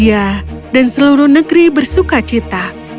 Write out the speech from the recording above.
iya dan seluruh negeri bersuka cita